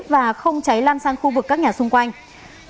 và không cháy lan sang khu vực các nhà xung quanh